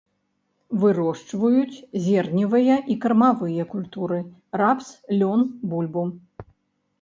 Вырошчваюць зерневыя і кармавыя культуры, рапс, лён, бульбу.